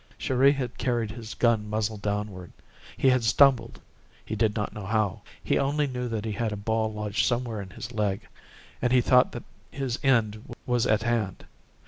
Chéri had carried his gun muzzle downward. He had stumbled,—he did not know how. He only knew that he had a ball lodged somewhere in his leg, and he thought that his end was at hand.